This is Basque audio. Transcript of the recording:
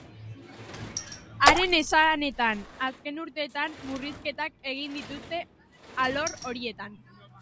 Haren esanetan, azken urteetan murrizketak egin dituzte alor horietan.